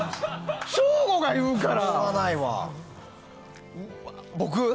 省吾が言うから！